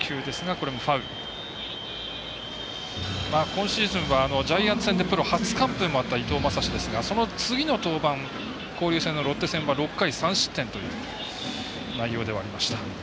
今シーズンはジャイアンツ戦でプロ初完封もあった伊藤将司ですが、その次の登板交流戦のロッテ戦は６回３失点という内容ではありました。